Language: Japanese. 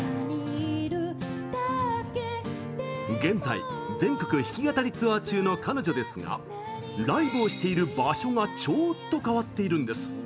現在、全国弾き語りツアー中の彼女ですがライブをしている場所がちょっと変わっているんです。